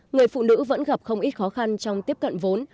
người phụ nữ vẫn gặp không ít khó khăn trong tiếp cận vốn